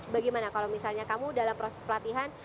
bagaimana kalau misalnya kamu dalam proses pelatihan